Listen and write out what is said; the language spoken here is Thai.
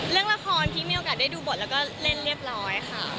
เรื่องละครพี่มีโอกาสได้ดูบทแล้วก็เล่นเรียบร้อยค่ะ